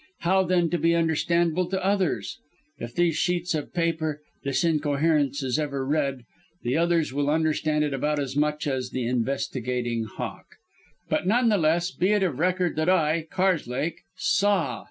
How, then, be understandable to others? If these sheets of paper, this incoherence, is ever read, the others will understand it about as much as the investigating hawk. But none the less be it of record that I, Karslake, SAW.